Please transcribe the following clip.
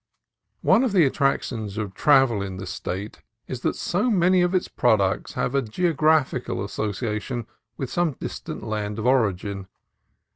One of the attractions of travel in this State is that so many of its products have a geographical association with some distant land of origin.